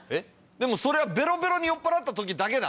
でもそれはベロベロに酔っぱらった時だけな。